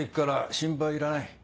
心配いらない。